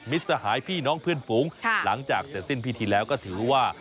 สหายพี่น้องเพื่อนฝูงหลังจากเสร็จสิ้นพิธีแล้วก็ถือว่า